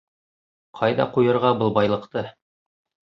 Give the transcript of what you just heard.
Ҡайҙа ҡуйырға был байлыҡты?